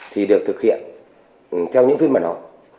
thì được thực hiện theo những phiên bản đó